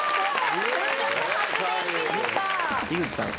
井口さん。